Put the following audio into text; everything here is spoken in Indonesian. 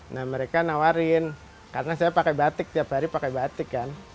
nah mereka nawarin karena saya pakai batik tiap hari pakai batik kan